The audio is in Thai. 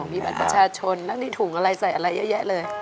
มีบัตรประชาชนแล้วมีถุงอะไรใส่อะไรเยอะแยะเลย